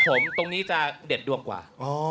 ผมตรงนี้จะเด็ดดวงกว่า